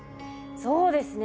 そうですね